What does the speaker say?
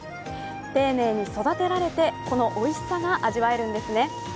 丁寧に育てられて、このおいしさが味わえるんですね。